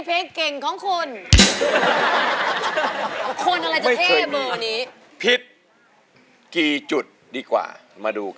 เป็นการร้องผิดที่สดชื่นมาก